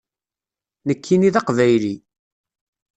Nekkini d aqbayli.